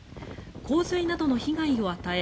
洪水などの被害を与え